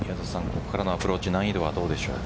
ここからのアプローチ難易度はどうでしょう。